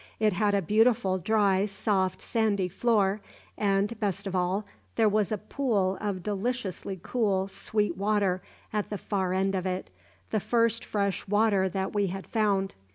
It had a beautiful dry, soft, sandy floor, and best of all there was a pool of deliciously cool, sweet water at the far end of it the first fresh water that we had found.